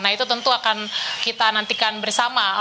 nah itu tentu akan kita nantikan bersama